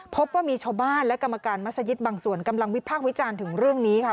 พบว่ามีชาวบ้านและกรรมการมัศยิตบางส่วนกำลังวิพากษ์วิจารณ์ถึงเรื่องนี้ค่ะ